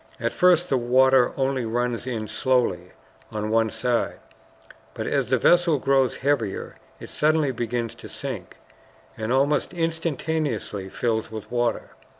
At first the water only runs in slowly on one side, but as the vessel grows heavier it suddenly begins to sink, and almost instantaneously fills with water.